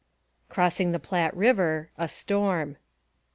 CROSSING THE PLATTE RIVHR A STORM.